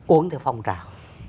uống theo phong trào